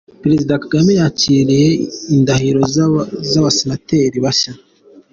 Perezida Kagame yakiriye indahiro z’Abasenateri bashya